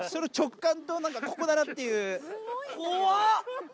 怖っ！